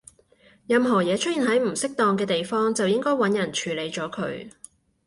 任何嘢出現喺唔適當嘅地方，就應該搵人處理咗佢